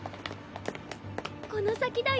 この先だよ。